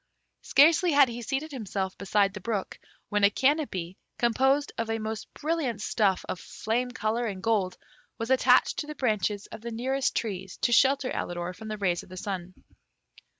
Scarcely had he seated himself beside the brook, when a canopy, composed of a most brilliant stuff of flame colour and gold was attached to the branches of the nearest trees to shelter Alidor from the rays of the sun.